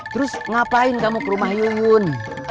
terus ngapain kamu ke rumah yungun